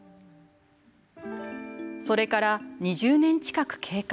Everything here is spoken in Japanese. それから２０年近く経過。